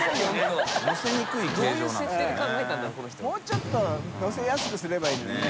發ちょっとのせやすくすればいいのにね。